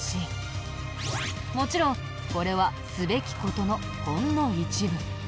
もちろんこれはすべき事のほんの一部。